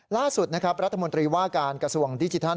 ล่าสุดนะครับรัฐมนตรีว่าการกระทรวงดิจิทัล